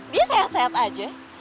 dia sehat sehat aja